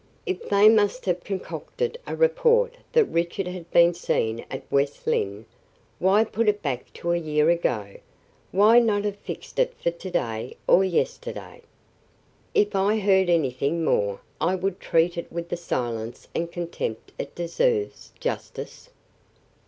If they must have concocted a report that Richard had been seen at West Lynne, why put it back to a year ago why not have fixed it for to day or yesterday? If I heard anything more, I would treat it with the silence and contempt it deserves, justice."